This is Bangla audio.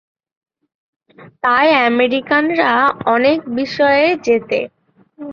তায় আমেরিকানরা অনেক বিষয়ে জেতে।